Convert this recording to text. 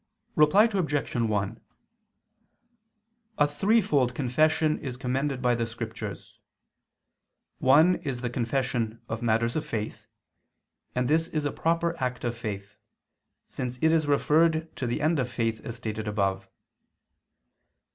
Reply Obj. 1: A threefold confession is commended by the Scriptures. One is the confession of matters of faith, and this is a proper act of faith, since it is referred to the end of faith as stated above.